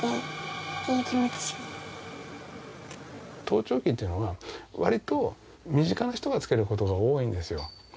盗聴器っていうのは、わりと身近な人がつけることが多いんですよ。